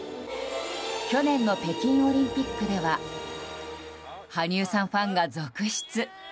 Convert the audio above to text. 去年の北京オリンピックでは羽生さんファンが続出。